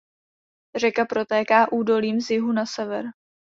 Řeka protéká údolím z jihu na sever.